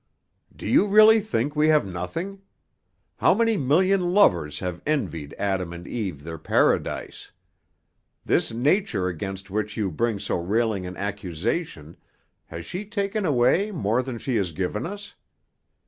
"Do you really think we have nothing? How many million lovers have envied Adam and Eve their paradise? This Nature against which you bring so railing an accusation, has she taken away more than she has given us?